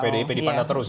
jadi pdb dipantau terus ya